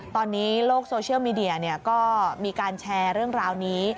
ตอนนี้โลกโซเชียลมีเดียก็มีการแชร์เรื่องราวนี้